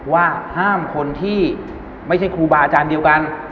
ว่าห้ามคนที่ไม่ใช่ครูบาอาจารย์เดียวกัน